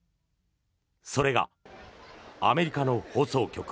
それが、アメリカの放送局